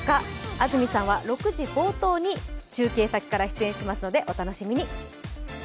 安住さんは６時冒頭に中継先から出演しますのでお楽しみに。